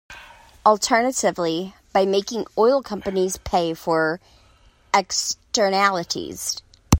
Alternatively, by making oil companies pay for externalities.